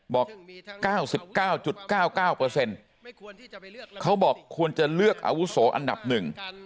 บอกสิบเก้าจุดเก้าเก้าเปอร์เซ็นต์เขาบอกควรจะเลือกอาวุศโศคอันดับนึง